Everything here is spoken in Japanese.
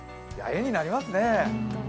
絵になりますね。